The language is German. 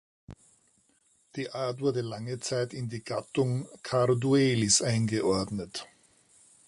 Die Art wurde lange Zeit in die Gattung "Carduelis" eingeordnet.